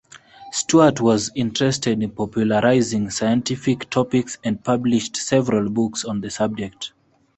Stuart was interested in popularising scientific topics and published several books on the subject.